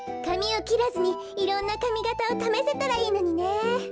かみをきらずにいろんなかみがたをためせたらいいのにね。